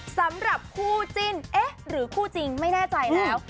สำหรับคู่จิ้นเอ๊ะหรือคู่จริงไม่แน่ใจแล้ว